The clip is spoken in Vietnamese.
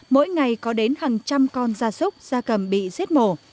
mỗi ngày có đến hàng trăm con ra súc ra cầm bị giết mổ